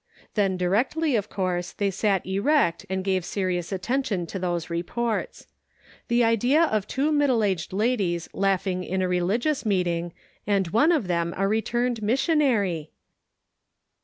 Then directly, of course, they sat erect and gave serious attention to those reports. The idea of two middle aged ladies laughing in a religious meeting, and one of them a returned missionary